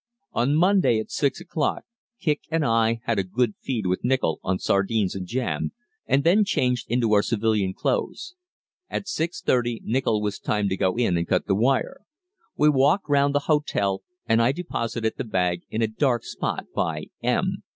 On Monday night at 6 o'clock Kicq and I had a good feed with Nichol on sardines and jam, and then changed into our civilian clothes. At 6.30 Nichol was timed to go in and cut the wire. We walked round the hotel, and I deposited the bag in a dark spot by "M."